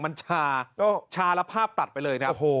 มันชาชาระภาพตัดไปเลยนะ